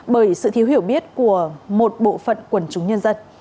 bởi sự thiếu hiểu biết của một bộ phận quần chúng nhân dân